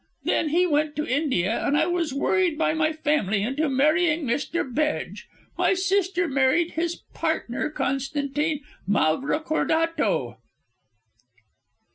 Then he went to India and I was worried by my family into marrying Mr. Bedge; my sister married his partner, Constantine Mavrocordato."